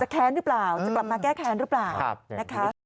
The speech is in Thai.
แค้นหรือเปล่าจะกลับมาแก้แค้นหรือเปล่านะคะ